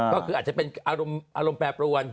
ก็คืออาจจะเป็นอารมณ์แปรปรวน